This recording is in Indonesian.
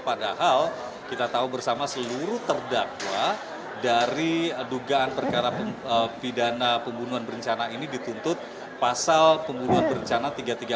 padahal kita tahu bersama seluruh terdakwa dari dugaan perkara pidana pembunuhan berencana ini dituntut pasal pembunuhan berencana tiga ratus tiga puluh